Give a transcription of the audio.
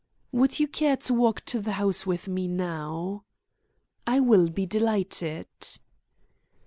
"Would you care to walk to the house with me now?" "I will be delighted."